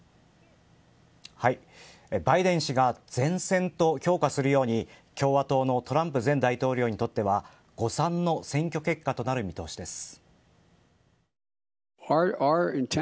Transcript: バイデン氏が善戦と評価するように共和党のトランプ前大頭領にとっては誤算の選挙結果となる見通しです。